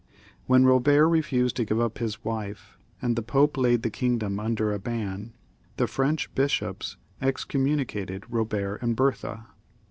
When Eobert refused to give up his wife, and the Pope laid the kingdom imder a ban, the French bishops excom municated Eobert and Bertha.